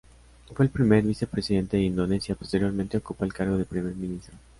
Fue el primer vicepresidente de Indonesia, posteriormente ocupa el cargo de primer ministro.